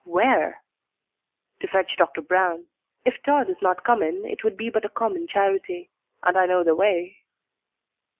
"Where?" "To fetch Doctor Brown. If Tod is not come in it would be but a common charity. And I know the way."